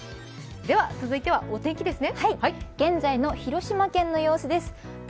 では、続いてはお天気ですね。